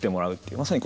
まさに。